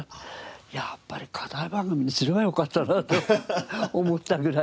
やっぱり課題番組にすればよかったなって思ったぐらいで。